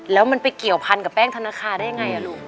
แล้วมันไปเกี่ยวพันกับแป้งธนาคารได้ยังไงลูก